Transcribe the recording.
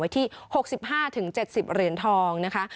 ไว้ที่๖๕ถึง๗๐เหรียญทองนะคะ